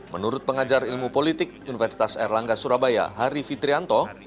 menurut pengajar ilmu politik universitas erlangga surabaya hari fitrianto